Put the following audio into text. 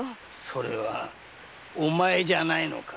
それはお前じゃないのか⁉